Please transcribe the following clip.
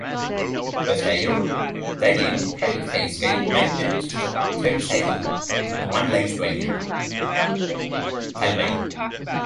Before dying Petrofsky manages to say one last word: "Philby".